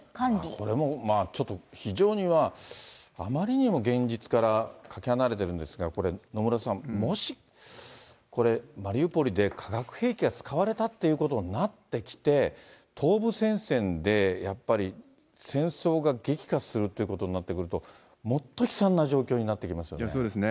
これもちょっと非常に、あまりにも現実からかけ離れてるんですが、これ、野村さん、もし、これ、マリウポリで化学兵器が使われたということになってきて、東部戦線で、やっぱり戦争が激化するっていうことになってくると、もっそうですね。